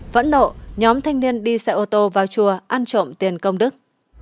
vẫn lộ nhóm thanh niên đi xe ô tô vào chùa ăn trộm tiền công đức